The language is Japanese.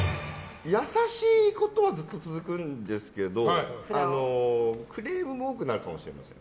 優しいことはずっと続くんですけどクレームも多くなるかもしれません。